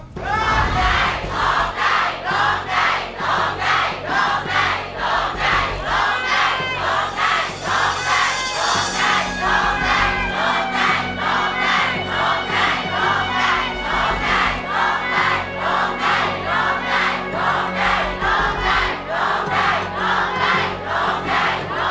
โทษใจโทษใจโทษใจโทษใจ